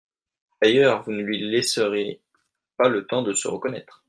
D’ailleurs, vous ne lui laisserez pas le temps de se reconnaître.